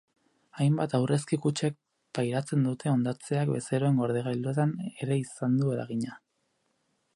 Hainbat aurrezki kutxek pairatzen dute hondatzeak bezeroen gordailuetan ere izan du eragina.